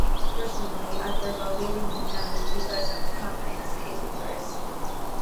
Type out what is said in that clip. Personally, I prefer living in a town because of the convenience it offers.